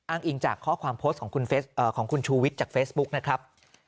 อิงจากข้อความโพสต์ของคุณชูวิทย์จากเฟซบุ๊กนะครับ